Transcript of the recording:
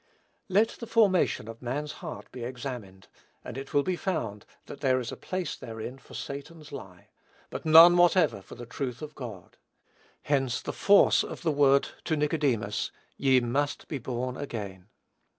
Let the formation of man's heart be examined, and it will be found that there is a place therein for Satan's lie, but none whatever for the truth of God. Hence the force of the word to Nicodemus, "Ye must be born again."